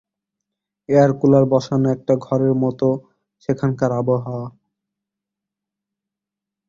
Air cooler বসানো একটা ঘরের মতো সেখানকার আবহাওয়া।